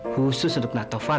khusus untuk taufan